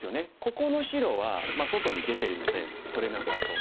ここの白は外に出てるので取れなさそう。